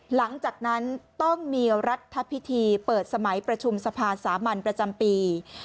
หลังจากนั้นต้องมีรัฐพิธีเปิดสมัยประชุมสภาสามัญประจำปี